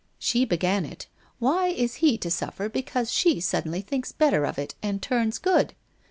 She began it; why is he to suffer because she suddenly thinks better of it and turns good?